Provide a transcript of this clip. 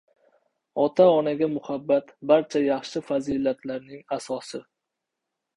Ota-onaga muhabbat — barcha yaxshi fazilatlarning asosi.